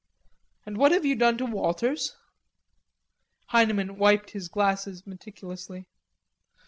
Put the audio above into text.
"And what have you done to Walters?" Heineman wiped his glasses meticulously.